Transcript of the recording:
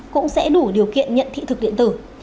cũng sẽ đủ điều kiện nhận thị thực điện tử